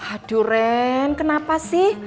aduh ren kenapa sih